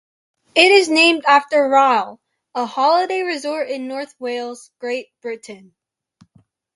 It is named after Rhyl, a holiday resort in North Wales, Great Britain.